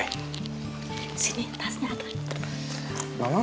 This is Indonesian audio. sini tasnya ada